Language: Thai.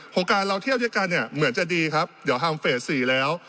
โครงการเราเที่ยวด้วยกันเนี่ยเหมือนจะดีครับเดี๋ยวฮัมเฟส๔แล้ว